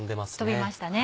飛びましたね。